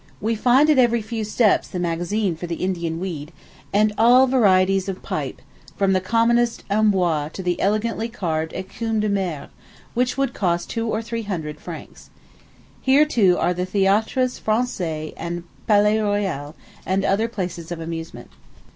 We find at every few steps the magazine for the Indian weed, and all varieties of pipe, from the commonest en bois to the elegantly carved ecume de mer, which would cost two or three hundred francs. Here, too, are the Theatres Français and Palais Royal, and other places of amusement.